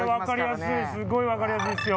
すごいわかりやすいですよ。